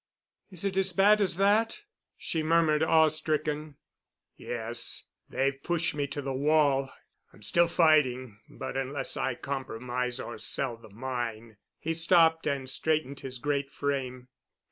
"Is it as bad as that?" she murmured, awe stricken. "Yes—they've pushed me to the wall. I'm still fighting, but unless I compromise or sell the mine——" he stopped and straightened his great frame.